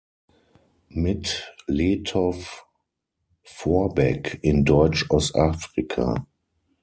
Mit Lettow-Vorbeck in Deutsch-Ostafrika.